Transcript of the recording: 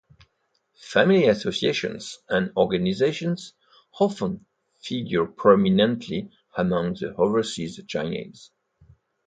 Family associations and organizations often figure prominently among the Overseas Chinese.